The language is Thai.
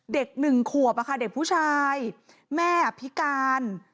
เด็ก๑ขวบเด็กผู้ชายแม่พิการ